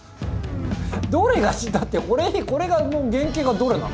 どれが？だってこれの原型がどれなの？